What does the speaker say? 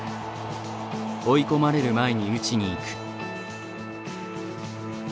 「追い込まれる前に打ちにいく」。